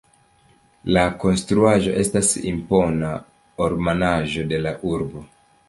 La konstruaĵo estas impona ornamaĵo de la urbo.